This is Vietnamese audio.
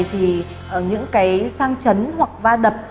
thì những cái sang chấn hoặc va đập